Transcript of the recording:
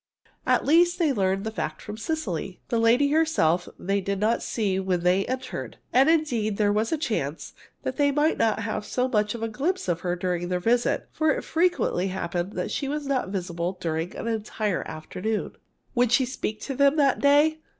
At least, they learned the fact from Cecily. The lady herself they did not see when they entered. And indeed, there was a chance, that they might not have so much as a glimpse of her during their visit, for it frequently happened that she was not visible during an entire afternoon. Would she speak to them that day?